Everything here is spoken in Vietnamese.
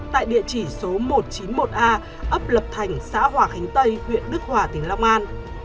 tại địa chỉ số một trăm chín mươi một a ấp lập thành xã hòa khánh tây huyện đức hòa tỉnh long an